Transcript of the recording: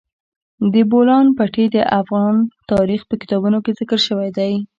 د بولان پټي د افغان تاریخ په کتابونو کې ذکر شوی دي.